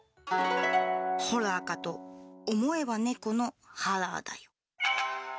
ホラーかと思えば猫の腹ーだよ。